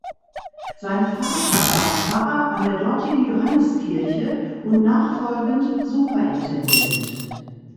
Sein Vater war Pfarrer an der dortigen Johanniskirche und nachfolgend Superintendent.